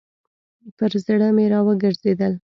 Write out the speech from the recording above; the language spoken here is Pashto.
پر زړه مي راوګرځېدل .